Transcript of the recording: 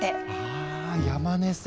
あ山根さん